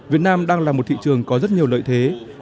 việt nam đang là một thị trường có rất nhiều lợi thế